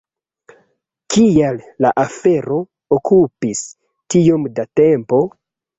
Kial la afero okupis tiom da tempo?